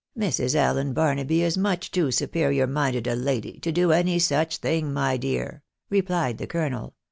Mrs. Allen Barnaby is much too superior minded a lady to do any such thing, my dear," replied the colonel.